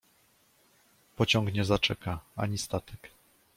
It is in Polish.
Pociąg nie zaczeka, ani statek.